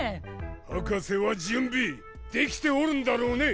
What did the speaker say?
博士は準備できておるんだろうね。